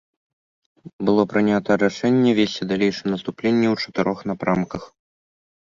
Было прынята рашэнне весці далейшае наступленне ў чатырох напрамках.